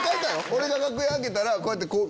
俺が楽屋開けたらこうやって。